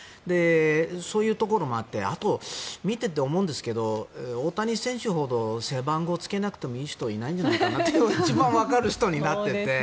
そういうところもあってあと、見ていて思うんですが大谷選手ほど背番号をつけなくてもいい人はいないんじゃないかなって一番わかる人になっていて。